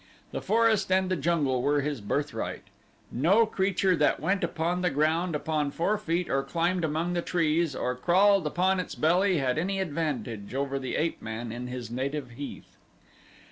The forest and the jungle were his birthright. No creature that went upon the ground upon four feet, or climbed among the trees, or crawled upon its belly had any advantage over the ape man in his native heath.